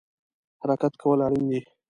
حرکت کول اړین دی